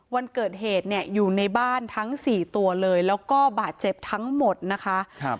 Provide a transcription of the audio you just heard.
วันเกิดเหตุเนี่ยอยู่ในบ้านทั้งสี่ตัวเลยแล้วก็บาดเจ็บทั้งหมดนะคะ